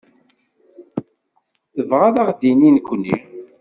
Tebɣa ad d-tini nekkni?